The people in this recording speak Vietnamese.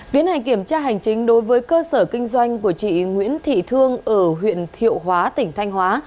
tiến hành kiểm tra hành chính đối với cơ sở kinh doanh của chị nguyễn thị thương ở huyện thiệu hóa tỉnh thanh hóa